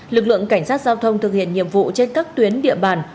lực lượng cảnh sát giao thông thực hiện nhiệm vụ trên các tuyến địa bàn